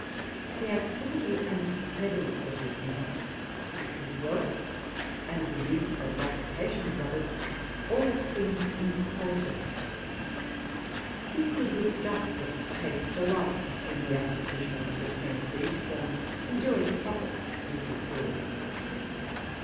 The activity and cleverness of this man, his wealth, and the use and applications of it, all seemed in proportion. He could with justice take delight in the acqui sitions which he increased, and enjoy the profits he secured.